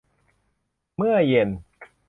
เมื่อเย็น